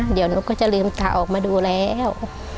เดี๋ยวหนูก็จะลืมตาออกมาดูแล้ว